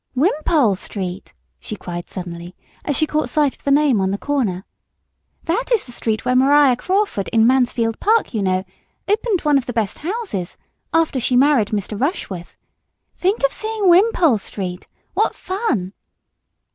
"Wimpole Street!" she cried suddenly, as she caught sight of the name on the corner; "that is the street where Maria Crawford in Mansfield Park, you know, 'opened one of the best houses' after she married Mr. Rushworth. Think of seeing Wimpole Street! What fun!"